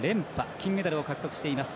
金メダルを獲得しています。